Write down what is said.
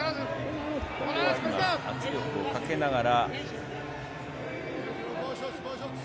圧力をかけながら。